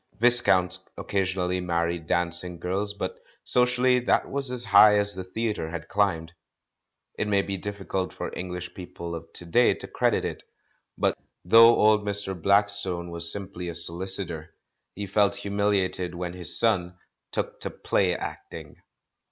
Viscounts occasionally married dancing girls, but socially that was as high as the theatre had climbed. It may be diffi cult for Enghsh people of to day to credit it, but 883 S84) THE MAN WHO UNDERSTOOD WOMEN though old Mr. Blackstone was simply a solicitor, he felt humiliated when his son "took to play acting."